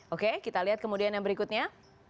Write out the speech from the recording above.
oke kita lihat kemudian yang berikutnya